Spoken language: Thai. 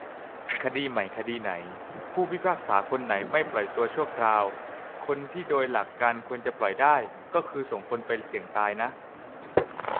คดีใหม่คดีไหน ผู้พิพากษาคนไหนไม่ปล่อยตัวชั่วคราวคนที่โดยหลักการควรจะปล่อยได้ ก็คือส่งคนไปเสี่ยงตายนะ